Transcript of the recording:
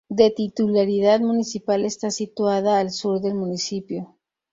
De titularidad municipal está situada al sur del municipio.